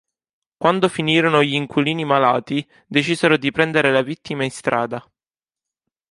Quando finirono gli inquilini malati, decisero di prendere le vittime in strada.